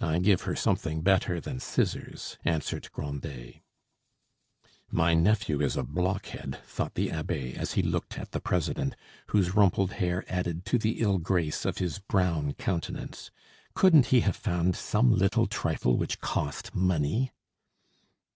"I give her something better than scissors," answered Grandet. "My nephew is a blockhead," thought the abbe as he looked at the president, whose rumpled hair added to the ill grace of his brown countenance. "Couldn't he have found some little trifle which cost money?"